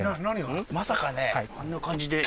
まさかねあんな感じで。